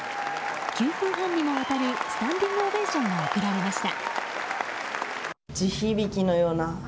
９分半にもわたるスタンディングオベーションが送られました。